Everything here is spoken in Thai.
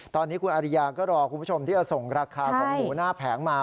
ตอนนี้คุณอาริยาก็รอคุณผู้ชมที่จะส่งราคาของหมูหน้าแผงมา